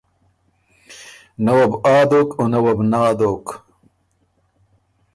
نۀ وه بُو ”آ“ دوک او نۀ وه بو ”نا“ دوک۔